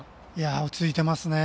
落ち着いてますね。